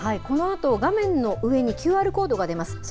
このあと、画面の上にＱＲコードが出ます。